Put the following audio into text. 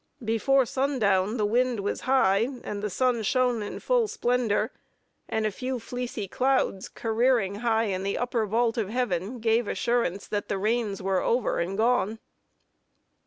Before sundown the wind was high, the sun shone in full splendor, and a few fleecy clouds, careering high in the upper vault of heaven, gave assurance that the rains were over and gone.